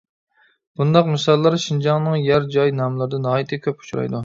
بۇنداق مىساللار شىنجاڭنىڭ يەر-جاي ناملىرىدا ناھايىتى كۆپ ئۇچرايدۇ.